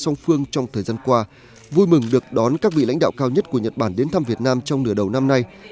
chúc mừng được đón các vị lãnh đạo cao nhất của nhật bản đến thăm việt nam trong nửa đầu năm nay